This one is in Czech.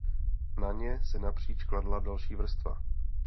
Na ně se napříč kladla další vrstva.